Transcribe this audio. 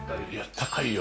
高いよ。